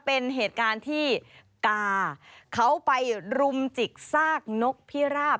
เป็นเหตุการณ์ที่กาเขาไปรุมจิกซากนกพิราบ